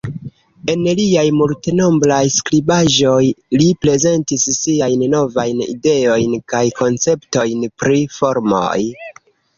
En liaj multenombraj skribaĵoj, li prezentis siajn novajn ideojn kaj konceptojn pri formoj.